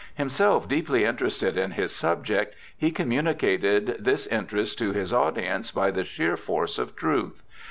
Himself deeply interested in his subject, he communicated this interest to his audience by the sheer force of truth.